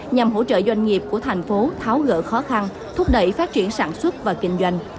nhằm hỗ trợ doanh nghiệp của thành phố tháo gỡ khó khăn thúc đẩy phát triển sản xuất và kinh doanh